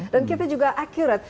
dan kita juga akurat